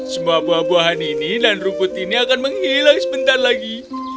semua buah buahan ini dan rumput ini akan menghilang sebentar lagi